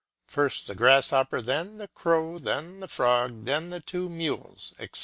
First the grasshopper, then the crow, then the frog, then the two mules, etc.